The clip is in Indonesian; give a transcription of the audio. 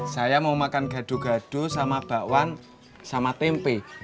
saya mau makan gadu gadu sama bakwan sama tempe